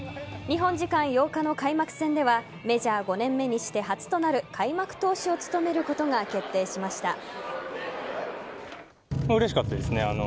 日本時間８日の開幕戦ではメジャー５年目にして初となる開幕投手を務めることが決定しました。